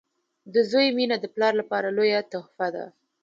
• د زوی مینه د پلار لپاره لویه تحفه وي.